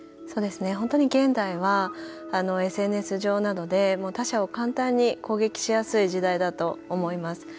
本当に現代はＳＮＳ上などで他者を簡単に攻撃しやすい時代だと思います。